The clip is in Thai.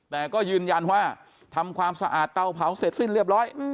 แต่ก็ยืนยันว่าทำความสะอาดเตาเผาเสร็จสิ้นเรียบร้อย